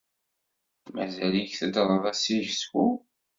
Mazal-ik teddreḍ a Sysko?